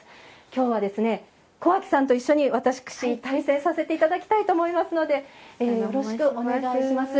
きょうは小晶さんと一緒に私、対戦させていただきたいと思いますのでよろしくお願いします。